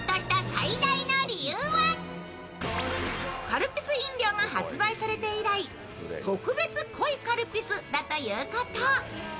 カルピス飲料が発売されて以来特別濃いカルピスだということ。